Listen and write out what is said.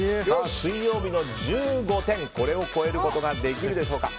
水曜日の１５点、これを超えることはできるでしょうか。